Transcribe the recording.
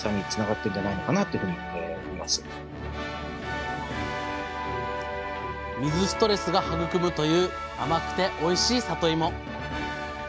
これが水ストレスが育むという甘くておいしいさといも。